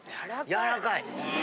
やわらかい。